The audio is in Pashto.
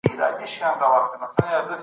جوړول وخت غواړي.